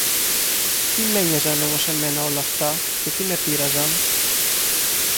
Τι μ' ένοιαζαν όμως εμένα όλα αυτά, και τι με πείραζαν;